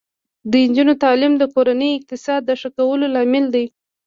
د نجونو تعلیم د کورنۍ اقتصاد ښه کولو لامل دی.